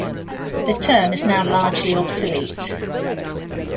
The term is now largely obsolete.